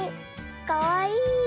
かわいい。